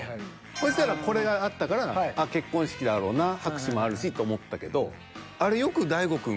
そしたらこれがあったから結婚式だろうな拍手もあるしと思ったけど。